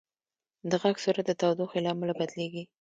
د غږ سرعت د تودوخې له امله بدلېږي.